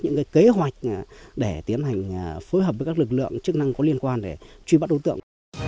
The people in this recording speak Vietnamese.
những kế hoạch để tiến hành phối hợp với các lực lượng chức năng có liên quan để truy bắt đối tượng